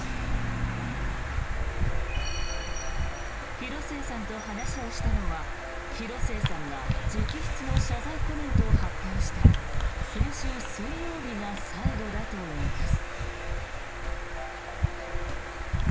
広末さんと話をしたのは広末さんが直筆の謝罪コメントを発表した先週水曜日が最後だといいます。